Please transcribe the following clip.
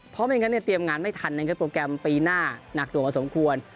เพราะไม่งั้นเตรียมงานไม่ทันในโปรแกรมปีหน้านักหน่วงกว่าสมควร